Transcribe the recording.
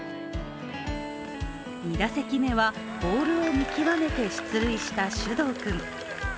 ２打席目はボールを見極めて出塁した首藤君。